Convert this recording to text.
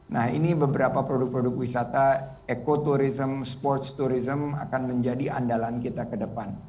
nah ini beberapa produk produk wisata eco tourism sports tourism akan menjadi andalan kita ke depan